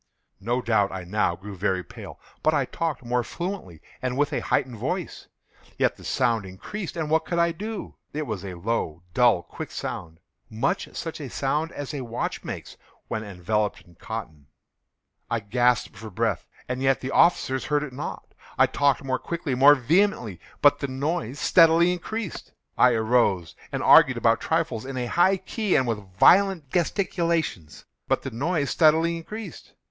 No doubt I now grew very pale;—but I talked more fluently, and with a heightened voice. Yet the sound increased—and what could I do? It was a low, dull, quick sound—much such a sound as a watch makes when enveloped in cotton. I gasped for breath—and yet the officers heard it not. I talked more quickly—more vehemently; but the noise steadily increased. I arose and argued about trifles, in a high key and with violent gesticulations; but the noise steadily increased.